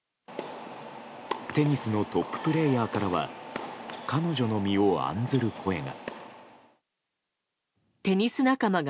テニスのトッププレーヤーからは彼女の身を案ずる声が。